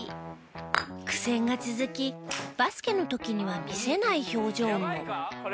苦戦が続きバスケの時には見せない表情も。